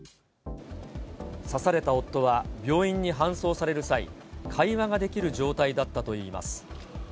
刺された夫は病院に搬送される際、会話ができる状態だったといいます。